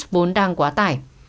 bốn đang quá tải